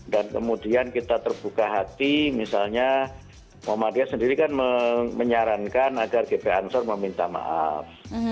kemudian kita terbuka hati misalnya muhammadiyah sendiri kan menyarankan agar gp ansor meminta maaf